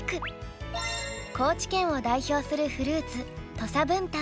高知県を代表するフルーツ土佐文旦。